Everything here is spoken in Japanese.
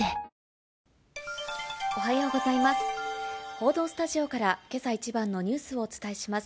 報道スタジオからけさ一番のニュースをお伝えします。